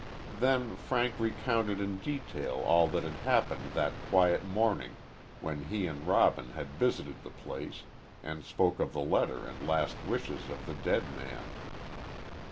Then Frank recounted in detail all that had happened that quiet morning when he and Robin had visited the place, and spoke of the letter and last wishes of the dead man.